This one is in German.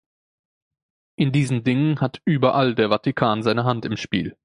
In diesen Dingen hat überall der Vatikan seine Hand im Spiel.